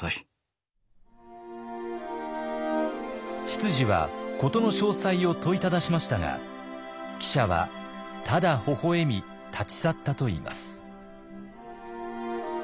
執事は事の詳細を問いただしましたが記者はただほほ笑み立ち去ったといいます。